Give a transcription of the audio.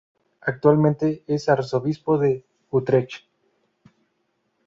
Actualmente es arzobispo de Utrecht.